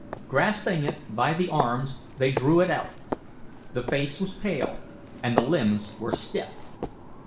Grasping it by the arms, they drew it out. The face was pale and the limbs were stiff.